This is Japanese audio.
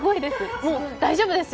もう大丈夫ですよ。